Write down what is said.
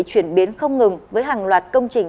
chuyển biến không ngừng với hàng loạt công trình